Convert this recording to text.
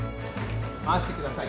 回してください。